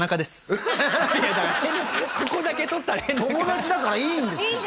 ここだけ取ったら変だから友達だからいいんですよ